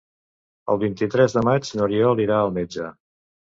El vint-i-tres de maig n'Oriol irà al metge.